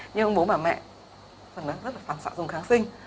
nhưng ông bố bà mẹ vẫn rất là phản xạ dùng kháng sinh